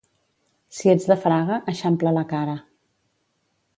Si ets de Fraga, eixampla la cara.